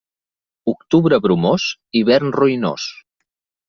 Octubre bromós, hivern ruïnós.